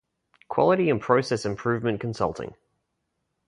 Quality and process improvement consulting.